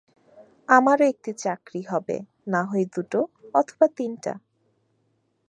আমারো একটি চাকরি হবে, নাহয় দুটো, অথবা তিনটা।